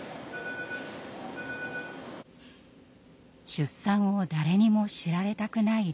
出産を誰にも知られたくない理由。